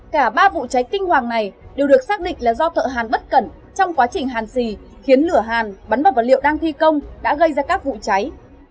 cả ba vụ cháy kinh hoàng này đều được xác định là do thợ hàn bất cẩn trong quá trình hàn xì khiến lửa hàn bắn vào vật liệu đang thi công đã gây ra các vụ cháy